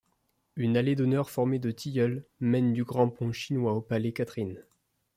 Une allée d'honneur formée de tilleuls mène du grand pont chinois au palais Catherine.